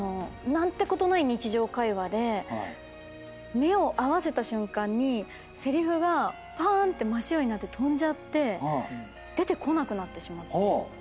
何てことない日常会話で目を合わせた瞬間にせりふがぱーんって真っ白になって飛んじゃって出てこなくなってしまって。